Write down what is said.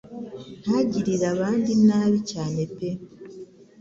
ntagirire abandi nabi cyane pe